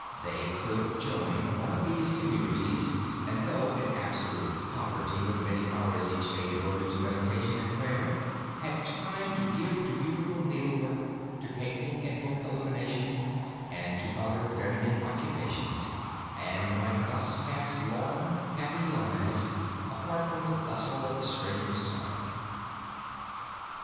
They could join one of these communities and though in absolute poverty, with many hours each day devoted to meditation and prayer, had time to give to beautiful needlework, to painting and book illumination, and to other feminine occupations; and might thus pass long, happy lives, apart from the bustle of the strenuous time.